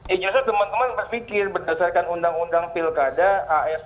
ya justru teman teman berpikir berdasarkan undang undang pilkada as